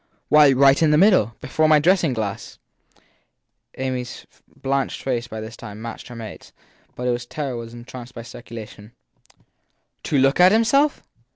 Why, right in the middle before my dressing glass. Amy s blanched face by this time matched her mate s, but its terror was enhanced by speculation. To look at himself?